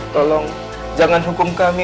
tolong jangan hukum kami